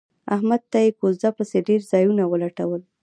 احمد ته یې کوزده پسې ډېر ځایونه ولټول